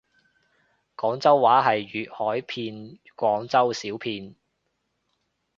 廣州話係粵海片廣州小片